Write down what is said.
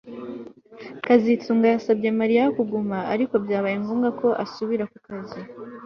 kazitunga yasabye Mariya kuguma ariko byabaye ngombwa ko asubira ku kazi